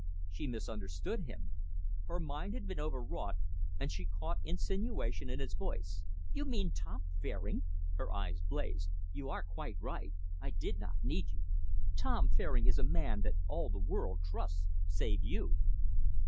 She misunderstood him. Her mind had been overwrought, and she caught insinuation in his voice. "You mean Tom Fairing!" Her eyes blazed. "You are quite right I did not need you. Tom Fairing is a man that all the world trusts save you."